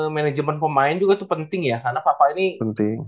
manajemen pemain juga tuh penting ya karena favoi ini